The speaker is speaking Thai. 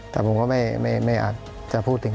แต่ผมก็ไม่อาจจะพูดถึง